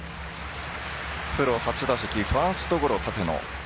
プロ初打席、ファーストゴロ立野。